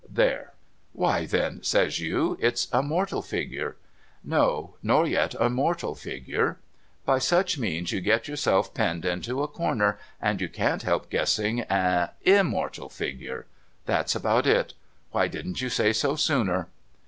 There. Why then, says you, it's a mortal figure. No, nor yet a mortal figure. By such means you get yourself penned into a corner, and you can't help guessing a ////mortal figure. That's about it. \\'liy tlidn't you say so sooner?